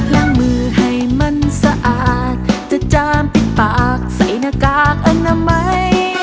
ล้างมือให้มันสะอาดจะจามปิดปากใส่หน้ากากอนามัย